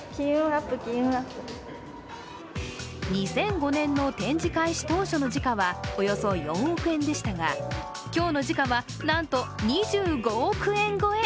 ２００５年の展示開始当初の時価はおよそ４億円でしたが今日の時価はなんと２５億円超え！